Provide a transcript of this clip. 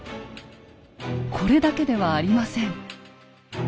これだけではありません。